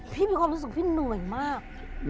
มีความรู้สึกพี่เหนื่อยมาก